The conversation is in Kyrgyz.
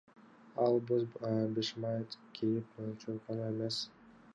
Ал боз бешмант кийип, анча коюу эмес мурут коюп алган.